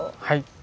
はい。